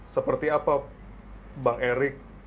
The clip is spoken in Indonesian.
seperti apa bang erik